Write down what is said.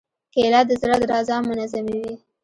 کېله د زړه درزا منظموي.